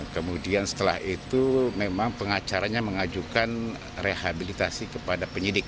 kemudian setelah itu memang pengacaranya mengajukan rehabilitasi kepada penyidik